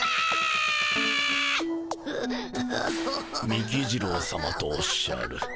幹二郎さまとおっしゃる。